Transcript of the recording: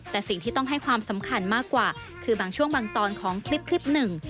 แต่สิ่งที่ต้องให้ความสำคัญมากกว่าคือบางช่วงบางตอนของคลิปหนึ่ง